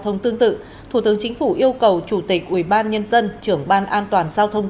thông tương tự thủ tướng chính phủ yêu cầu chủ tịch ủy ban nhân dân trưởng ban an toàn giao thông